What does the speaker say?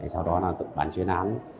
sau đó là bản chuyên án